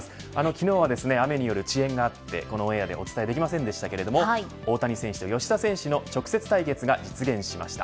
昨日は雨による遅延があってこのオンエアでお伝えできませんでしたけれど大谷選手と吉田選手の直接対決が実現しました。